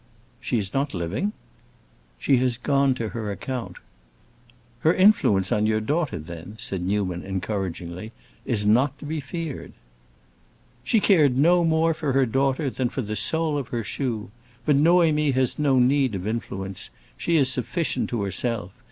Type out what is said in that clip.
"She is not living?" "She has gone to her account." "Her influence on your daughter, then," said Newman encouragingly, "is not to be feared." "She cared no more for her daughter than for the sole of her shoe! But Noémie has no need of influence. She is sufficient to herself.